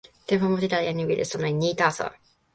tenpo mute la, jan li wile sona e ni taso.